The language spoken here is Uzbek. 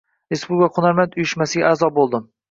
Respublika “Hunarmand” uyushmasiga aʼzo boʻldim.